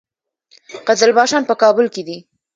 قزلباشان په کابل کې دي؟